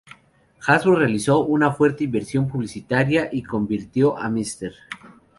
Hasbro realizó una fuerte inversión publicitaria, y convirtió a Mr.